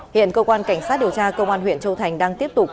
hiện cơ quan cảnh sát điều tra công an huyện châu thành đang tiếp tục